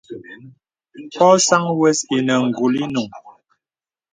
Pɔ̄ɔ̄ sàŋ wə̀s inə ngùl inùŋ.